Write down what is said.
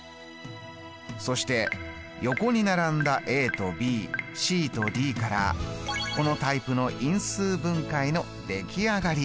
そして横に並んだとｂｃとｄからこのタイプの因数分解の出来上がり。